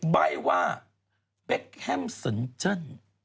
ใบ้ว่าแบคแฮมสันเจ้น